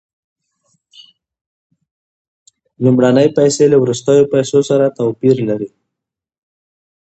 لومړنۍ پیسې له وروستیو پیسو سره څه توپیر لري